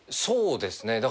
そうですね。